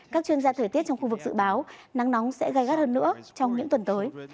các chuyên gia thời tiết trong khu vực dự báo nắng nóng sẽ gai gắt hơn nữa trong những tuần tới